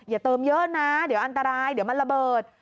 อย่าเติมเยอะนะเดี๋ยวอันตรายเดี๋ยวมันระเบิด